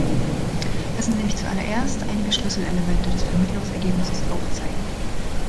Lassen sich mich zuallererst einige Schlüsselelemente des Vermittlungsergebnisses aufzeigen.